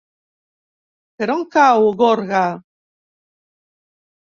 Per on cau Gorga?